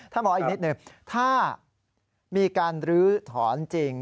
ท่านพออ๋ออีกนิดหนึ่งถ้ามีการรื้อถอนจริง